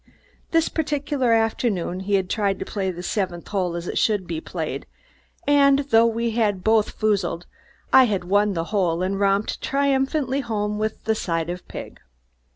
This particular afternoon he had tried to play the seventh hole as it should be played, and though we had both foozled, I had won the hole and romped triumphantly home with the side of pig.